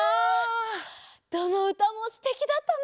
どのうたもすてきだったね！